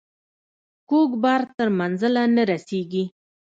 کوږ بار تر منزله نه رسیږي.